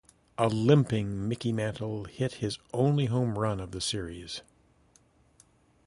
A limping Mickey Mantle hit his only home run of the Series.